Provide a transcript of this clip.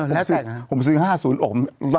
แล้วแสดงอะไร